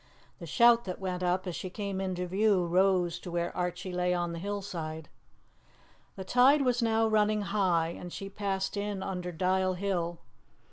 The shout that went up as she came into view rose to where Archie lay on the hillside. The tide was now running high, and she passed in under Dial Hill.